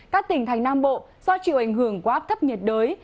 các tỉnh thành nam bộ do chịu ảnh hưởng của áp thấp nhiệt đới